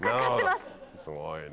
すごいね。